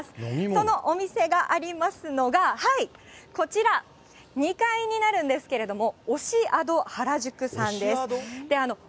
そのお店がありますのが、こちら、２階になるんですけれども、オシアド原宿さんです。